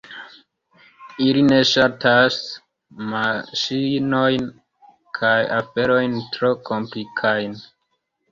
Ili ne ŝatas maŝinojn kaj aferojn tro komplikajn.